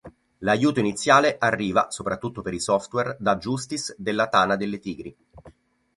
L'aiuto iniziale arriva, soprattutto per i software, da Justice della Tana delle Tigri.